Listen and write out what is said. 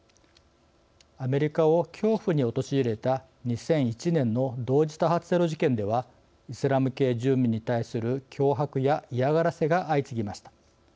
アメリカを恐怖に陥れた２００１年の同時多発テロ事件ではイスラム系住民に対する脅迫や嫌がらせが相次ぎました。